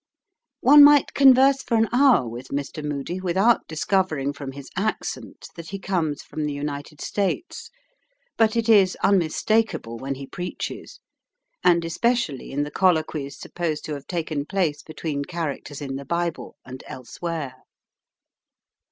One might converse for an hour with Mr. Moody without discovering from his accent that he comes from the United States. But it is unmistakable when he preaches, and especially in the colloquies supposed to have taken place between characters in the Bible and elsewhere.